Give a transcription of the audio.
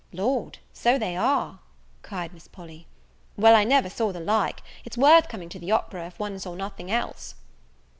"Lord, so they are," cried Miss Polly; "well, I never saw the like! it's worth coming to the opera, if one saw nothing else."